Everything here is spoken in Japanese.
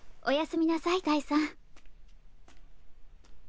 おやすみなさいダイさん。